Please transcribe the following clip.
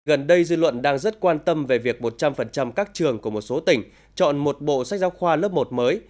gần đây dư luận đang rất quan tâm về việc một trăm linh các trường của một số tỉnh chọn một bộ sách giáo khoa lớp một mới